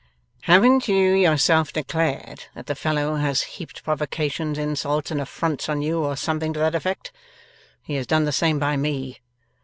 'Haven't you yourself declared that the fellow has heaped provocations, insults, and affronts on you, or something to that effect? He has done the same by me.